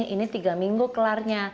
ini tiga minggu kelarnya